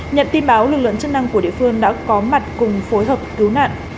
nhận tin báo lực lượng chức năng của địa phương đã có mặt cùng phối hợp cứu nạn